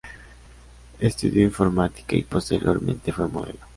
Estudió informática y posteriormente fue modelo.